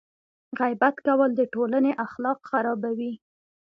غیبت کول د ټولنې اخلاق خرابوي.